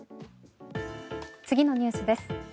次のニュースです。